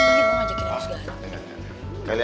gue mau ajakin harus gara gara